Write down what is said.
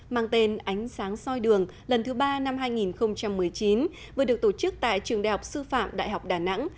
mang tên ánh sáng soi đường lần thứ ba năm hai nghìn một mươi chín vừa được tổ chức tại trường đại học sư phạm đại học đà nẵng